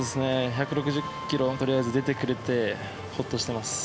１６０ｋｍとりあえず出てくれてホッとしています。